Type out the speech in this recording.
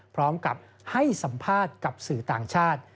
พร้อมกับให้สัมภาษณ์กับสื่อต่างชาติ